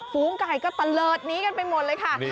ฝูงไก่ก็ตะเลิศนี้กันไปหมดเลยค่ะ